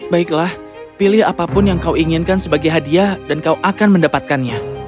baiklah pilih apapun yang kau inginkan sebagai hadiah dan kau akan mendapatkannya